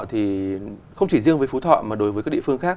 thì không chỉ riêng với phú thọ mà đối với các địa phương khác